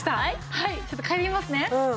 はいちょっと嗅いでみますね。